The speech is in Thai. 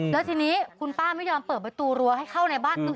แล้วทีนี้คุณป้าไม่ยอมเปิดประตูรั้วให้เข้าในบ้าน